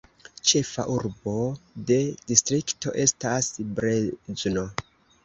Ĉefa urbo de distrikto estas Brezno.